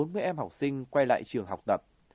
bốn mươi em học sinh quay lại trường học tập